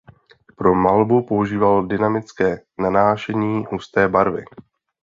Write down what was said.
Pro malbu používal dynamické nanášení husté barvy.